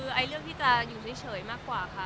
ถ้าจะได้เลือกที่จะอยู่่าเฉยมากกว่า